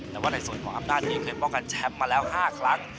แต่ว่าในส่วนของอำนาจนี้เคยป้องกันแชมป์มาแล้ว๕ครั้ง